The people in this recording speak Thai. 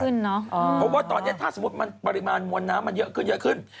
เพราะว่าตอนนี้ถ้าสมมติปริมาณมวลน้ำมันเยอะขึ้น